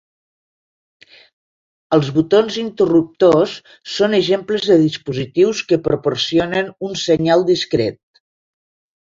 Els botons i interruptors són exemples de dispositius que proporcionen un senyal discret.